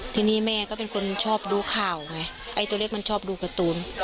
ทีนี้แม่ก็เป็นคนชอบดูข่าวไงไอ้ตัวเล็กมันชอบดูการ์ตูน